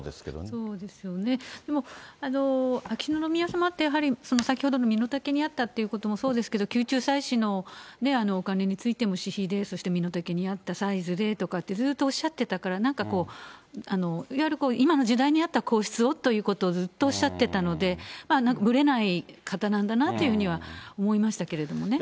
そうですよね、秋篠宮さまってやっぱり、その先ほどの身の丈に合ったっていうこともそうですけど、宮中祭祀のお金についても私費で、そして身の丈に合ったサイズでとかって、ずっとおっしゃってたから、なんかいわゆる今の時代に合った皇室をということをずっとおっしゃってたので、ぶれない方なんだなというふうには思いましたけれどもね。